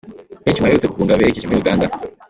Benshi mu baherutse guhunga berekeje muri Uganda.